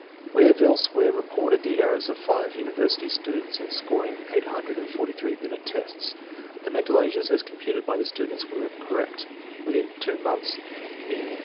We have elsewhere reported the errors of five univer sity students in scoring 843 Binet tests. 1 The mental ages as computed by the students were correct within 2 months in 84.